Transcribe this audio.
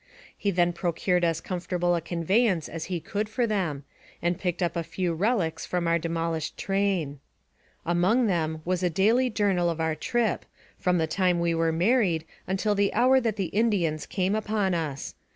He then procured as comfortable a conveyance as he could for them, and picked up a few relics from our demolished train. Among them was a daily journal of our trip, from the time we were married until the hour that the Indians came upon us.